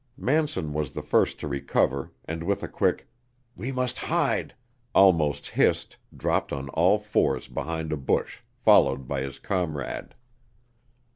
Manson was the first to recover, and with a quick, "We must hide," almost hissed, dropped on all fours behind a bush, followed by his comrade.